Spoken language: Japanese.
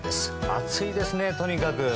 暑いですね、とにかく。